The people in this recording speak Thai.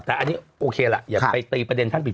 แต่อันนี้โอเคล่ะอย่าไปตีประเด็นท่านผิด